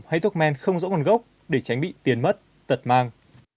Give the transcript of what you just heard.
hay thuốc men không rõ nguồn gốc để tránh bị tiền mất tật mang